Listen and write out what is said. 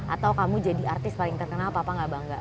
atau kamu jadi artis paling terkenal papa gak bangga